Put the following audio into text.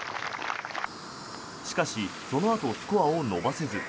しかし、そのあとスコアを伸ばせず。